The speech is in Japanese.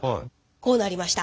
こうなりました。